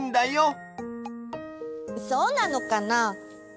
そうなのかな。